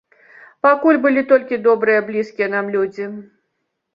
Пакуль былі толькі добрыя блізкія нам людзі.